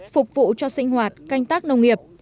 phục vụ cho sinh hoạt canh tác nông nghiệp